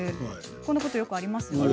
こんなことよくありますよね。